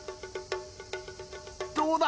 どうだ？